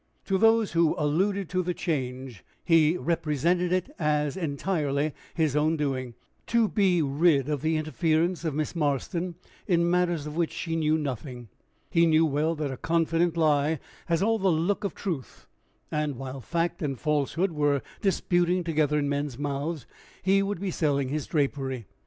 To those who alluded to the change, he represented it as entirely his own doing, to be rid of the interference of Miss Marston in matters of which she knew nothing. He knew well that a confident lie has all the look of truth, and, while fact and falsehood were disputing together in men's mouths, he would be selling his drapery.